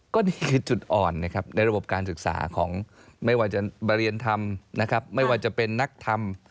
ก็นี่คือจุดอ่อนในระบบการศึกษาของไม่ว่าจะเป็นนักธรรม